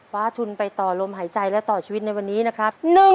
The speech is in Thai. ทุนไปต่อลมหายใจและต่อชีวิตในวันนี้นะครับ